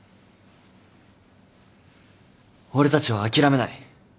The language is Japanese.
俺たちは諦めない。